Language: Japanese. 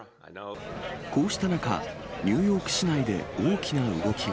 こうした中、ニューヨーク市内で大きな動きが。